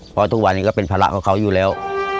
เพราะทุกวันนี้ก็เป็นภาระของเขาอยู่แล้ว